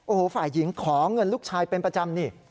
โอ้โหฝ่ายหญิงขอเงินลูกชายเป็นประจำนี่